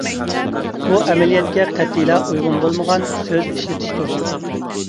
بۇ ئەمەلىيەتكە قەتئىيلا ئۇيغۇن بولمىغان سۆز ئىشلىتىشتۇر.